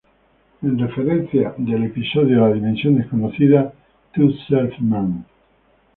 En referencia del episodio de la Dimensión desconocida, To Serve Man.